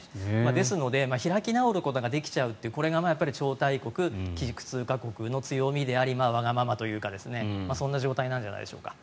ですので開き直ることができちゃうというこれが超大国基軸通貨国の強みでありわがままというかそんな状態なんじゃないでしょうか。